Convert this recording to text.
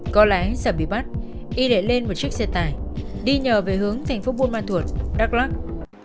có lẽ sẽ bị bắt y để lên một chiếc xe tải đi nhờ về hướng thành phố buôn ma thuột đắk lắk